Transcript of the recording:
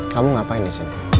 kamu ngapain disini